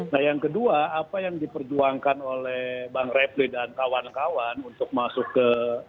nah yang kedua apa yang diperjuangkan oleh bang repli dan kawan kawan untuk masuk ke